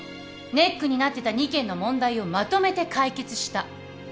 ネックになってた２件の問題をまとめて解決した。